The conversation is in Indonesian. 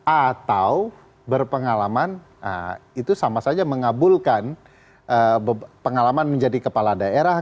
atau berpengalaman itu sama saja mengabulkan pengalaman menjadi kepala daerah